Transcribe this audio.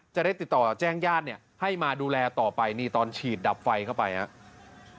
จะได้ติดต่อแจ้งญาติเนี่ยให้มาดูแลต่อไปนี่ตอนฉีดดับไฟเข้าไปครับ